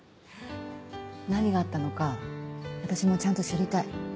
何があったのか私もちゃんと知りたい。